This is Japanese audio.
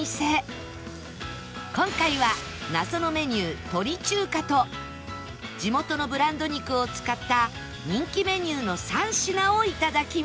今回は謎のメニュー鳥中華と地元のブランド肉を使った人気メニューの３品を頂きます